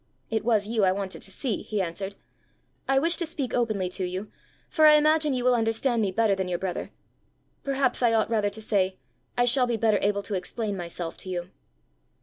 "It was you I wanted to see," he answered. "I wish to speak openly to you, for I imagine you will understand me better than your brother. Perhaps I ought rather to say I shall be better able to explain myself to you."